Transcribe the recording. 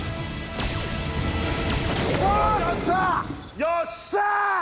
よっしゃー！